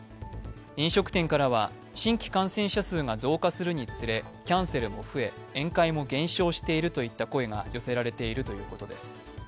飲食店からは新規感染者数が増加するにつれキャンセルも増え宴会も減少しているといった声が寄せられているということです。